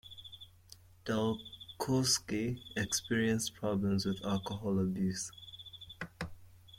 Dalkowski experienced problems with alcohol abuse.